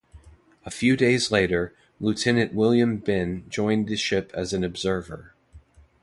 A few days later, Lieutenant William Benn joined the ship as an observer.